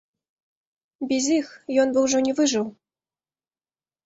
Без іх ён бы ўжо не выжыў.